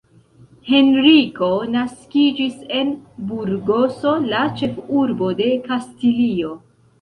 Henriko naskiĝis en Burgoso, la ĉefurbo de Kastilio.